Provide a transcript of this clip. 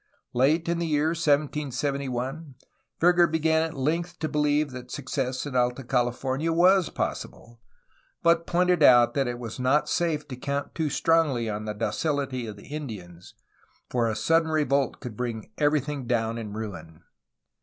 Late in the year 1771 Verger began at length to be lieve that success in Alta California was possible, but pointed out that it was not safe to count too strongly on the docility of the Indians, for a sudden revolt could bring everything down in ruin.